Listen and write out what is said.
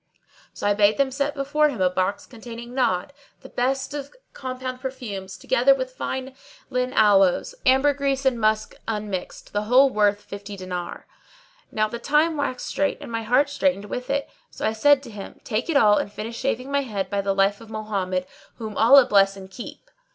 So I bade them set before him a box containing Nadd,[FN#619] the best of compound perfumes, together with fine lign aloes, ambergris and musk unmixed, the whole worth fifty dinars. Now the time waxed strait and my heart straitened with it; so I said to him, "Take it all and finish shaving my head by the life of Mohammed (whom Allah bless and keep!)."